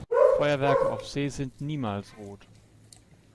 Feuerwerke auf See sind niemals rot.